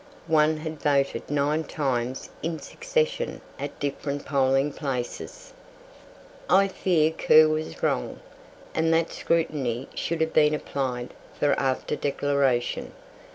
One had voted nine times in succession at different polling places. I fear Kerr was wrong, and that scrutiny should have been applied for after declaration.